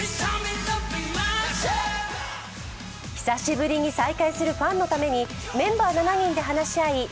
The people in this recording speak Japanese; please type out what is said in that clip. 久しぶりに再会するファンのためにメンバー７人で話し合い